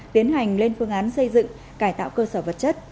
tiến hành lên phương án xây dựng cải tạo cơ sở vật chất